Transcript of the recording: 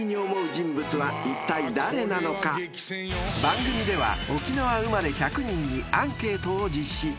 ［番組では沖縄生まれ１００人にアンケートを実施］